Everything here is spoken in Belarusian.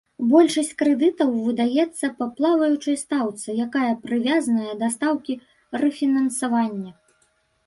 Большасць крэдытаў выдаецца па плаваючай стаўцы, якая прывязаная да стаўкі рэфінансавання.